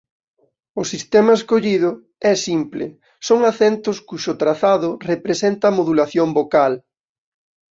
O sistema escollido é simple; son acentos cuxo trazado representa a modulación vocal.